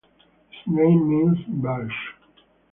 His name means 'belch'.